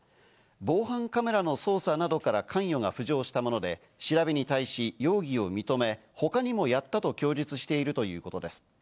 防犯カメラの捜査などから関与が浮上したもので、調べに対し容疑を認め、他にもやったと供述しているということです。